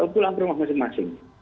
pulang ke rumah masing masing